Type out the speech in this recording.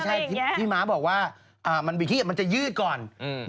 ใช่พี่ม้าบอกว่ามันมีขี้มันจะยืดก่อนอืม